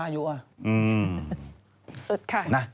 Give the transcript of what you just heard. อายุอะ